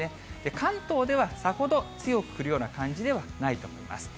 関東ではさほど強く降るような感じではないと思います。